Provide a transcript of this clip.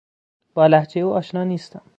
با لهجهی او آشنا نیستم.